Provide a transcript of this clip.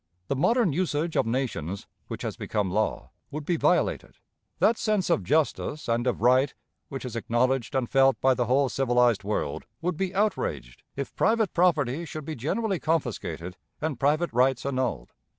The modern usage of nations, which has become law, would be violated; that sense of justice and of right which is acknowledged and felt by the whole civilized world would be outraged, if private property should be generally confiscated and private rights annulled.